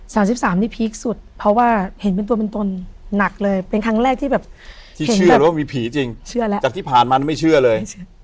สามสิบสามนี่พีคสุดเพราะว่าเห็นเป็นตัวเป็นตนหนักเลยเป็นครั้งแรกที่แบบที่เชื่อเลยว่ามีผีจริงเชื่อแล้วจากที่ผ่านมาไม่เชื่อเลย